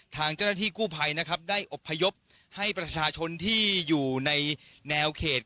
ทางเจ้าหน้าที่กู้ภัยนะครับได้อบพยพให้ประชาชนที่อยู่ในแนวเขต